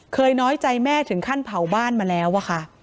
น้อยใจแม่ถึงขั้นเผาบ้านมาแล้วอะค่ะ